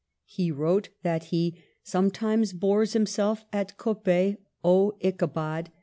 He wrote that he sometimes "bores himself " at Coppet (O Ichabod